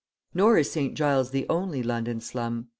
Nor is St. Giles the only London slum.